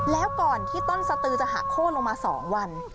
แล้วก่อนที่ต้นสตือจะหักโค้นลงมา๒วัน